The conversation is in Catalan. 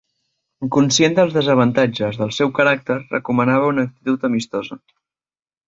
Conscient dels desavantatges del seu caràcter, recomanava una actitud amistosa.